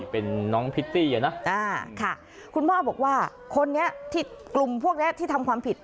เป็นน้องพิตตี้อะนะคุณพ่อบอกว่าคนนี้ที่กลุ่มพวกนี้ที่ทำความผิด